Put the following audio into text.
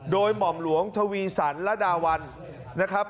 โดยหม่อมหลวงทวีสันระดาวันนะครับ